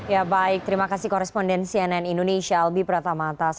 ya baik terima kasih koresponden cnn indonesia albi pratamatas